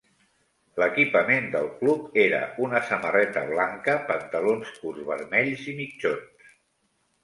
L"equipament del club era una samarreta blanca, pantalons curts vermells i mitjons.